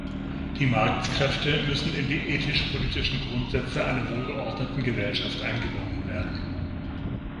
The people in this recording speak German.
Die Marktkräfte müssen in die ethisch-politischen Grundsätze einer wohlgeordneten Gesellschaft eingebunden werden.